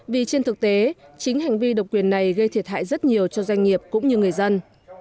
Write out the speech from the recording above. vì trên thực tế chính hành vi độc quyền này gây thiệt hại rất nhiều cho doanh nghiệp cũng như người dân